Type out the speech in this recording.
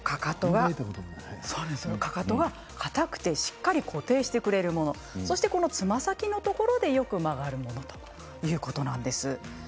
かかとはしっかり固定してくれるものそしてつま先のところでよく曲がるものということなんですね。